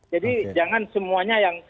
jadi jangan semuanya yang